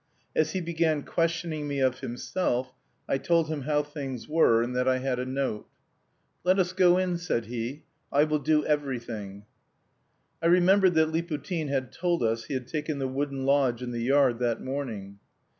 As he began questioning me of himself, I told him how things were, and that I had a note. "Let us go in," said he, "I will do everything." I remembered that Liputin had told us he had taken the wooden lodge in the yard that morning.